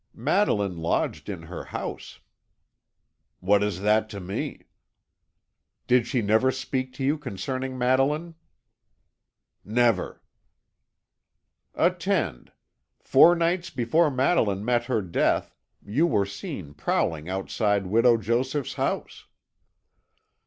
"Madeline lodged in her house." "What is that to me?" "Did she never speak to you concerning Madeline?" "Never." "Attend. Four nights before Madeline met her death you were seen prowling outside Widow Joseph's house."